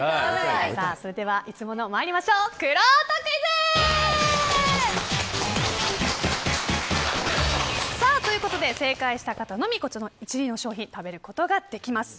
それではいつもの参りましょうくろうとクイズ！ということで、正解した方のみこちら１位の商品食べることができます。